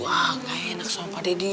wah gak enak sama pak deddy